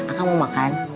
aku mau makan